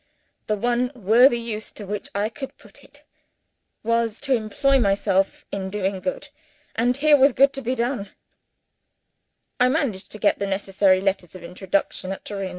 The one worthy use to which I could put it was to employ myself in doing good; and here was good to be done, I managed to get the necessary letters of introduction at Turin.